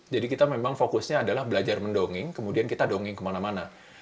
jadi kita memang fokusnya adalah belajar mendongeng kemudian kita dongeng kemana mana